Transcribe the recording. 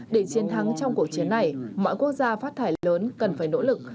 để chiến thắng trong cuộc chiến này mọi quốc gia phát thải lớn cần phải nỗ lực